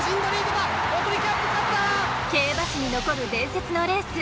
競馬史に残る伝説のレース